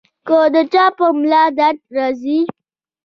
کۀ د چا پۀ ملا درد راځي -